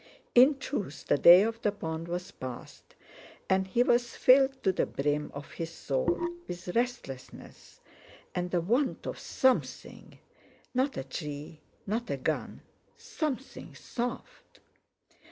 In truth the day of the pond was past, and he was filled to the brim of his soul with restlessness and the want of something—not a tree, not a gun—something soft.